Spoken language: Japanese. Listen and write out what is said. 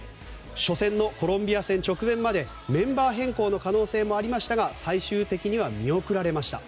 初戦のコロンビア戦直前までメンバー変更の可能性もありましたが最終的には見送られました。